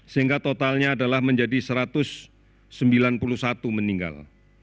sehingga totalnya adalah menjadi satu ratus sembilan puluh satu meninggal